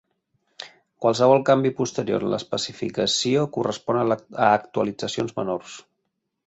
Qualsevol canvi posterior en l'especificació correspon a actualitzacions menors.